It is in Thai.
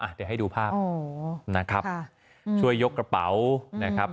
เดี๋ยวให้ดูภาพนะครับช่วยยกกระเป๋านะครับ